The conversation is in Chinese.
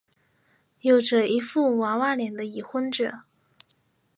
有着一副娃娃脸的已婚者。